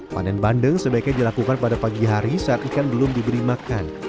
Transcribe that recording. panen bandeng sebaiknya dilakukan pada pagi hari saat ikan belum diberi makan